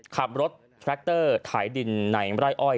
ขับรถแทรคเตอร์ถ่ายดินในไร่อ้อย